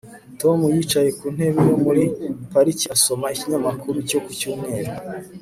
Tom yicaye ku ntebe yo muri parike asoma ikinyamakuru cyo ku cyumweru